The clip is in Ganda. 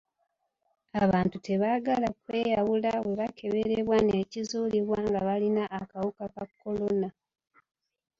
Abantu tebaagala kweyawula bwe bakeberebwa ne kizuulibwa nga balina akawuka ka kolona.